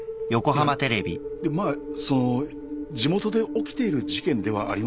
いやでもまあそのう地元で起きている事件ではありますし。